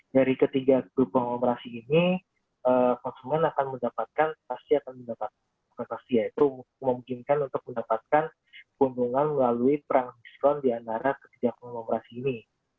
dari ketiga grup penglomerasi ini konsumen akan mendapatkan kepentingan melalui perang diskon di antara ketiga penglomerasi ini